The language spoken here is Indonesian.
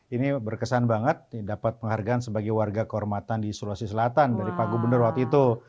ini berkesan banget dapat penghargaan sebagai warga kehormatan di sulawesi selatan dari pak gubernur waktu itu